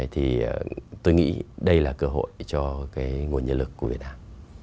thì tôi nghĩ đây là cơ hội cho cái nguồn nhân lực của việt nam